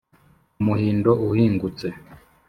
Umuhindo uhingutse